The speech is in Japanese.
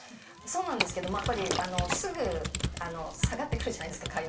そうなんですけどやっぱりすぐあの下がって来るじゃないですか